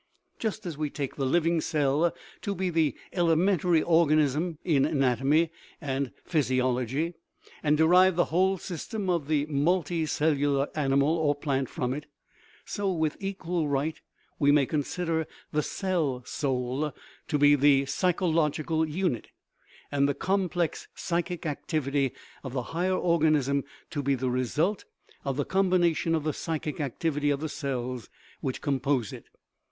Just as we take the living cell to be the * elementary organism " in anatomy and physiolo gy, and derive the whole system of the multicellular animal or plant from it, so, with equal right, we may consider the "cell soul" to be the psychological unit, and the complex psychic activity of the higher organism to be the result of the combination of the psychic activ ity of the cells which compose it.